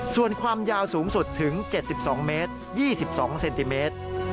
ส่วนความยาวสูงสุดถึง๗๒เมตร๒๒เซนติเมตร